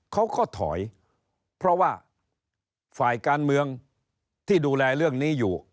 เขาก็ถอยเพราะว่าฝ่ายการเมืองที่ดูแลเรื่องนี้อยู่